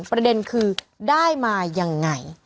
ประเด็นคือได้มายังไง